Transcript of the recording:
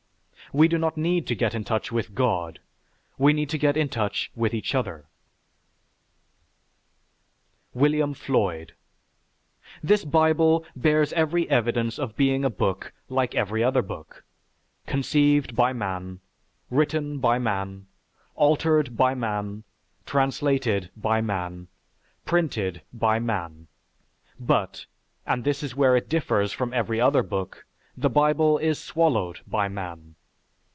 We do not need to get in touch with "God." We need to get in touch with each other. WILLIAM FLOYD This Bible bears every evidence of being a book like every other book, conceived by man, written by man, altered by man, translated by man, printed by man, but and this is where it differs from every other book the Bible is swallowed by man.